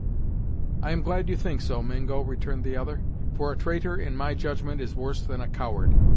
"I'm glad you think so, Mingo," returned the other, "for a traitor, in my judgment, is worse than a coward.